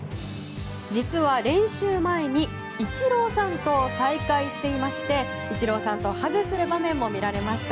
実は、練習前にイチローさんと再会していましてイチローさんとハグする場面も見られました。